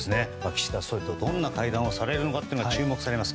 岸田総理大臣とどんな会談をされるのか注目されます。